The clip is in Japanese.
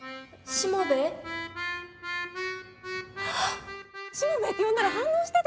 「しもべえ」って呼んだら反応してたよね？